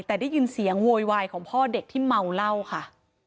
แต่ได้ยินเสียงโวยวายของพ่อเด็กที่เมาเหล้าค่ะ